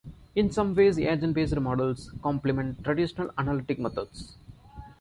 In some ways, agent-based models complement traditional analytic methods.